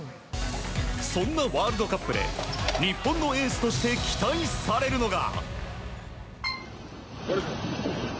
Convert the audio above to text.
そんなワールドカップで日本のエースとして期待されるのが。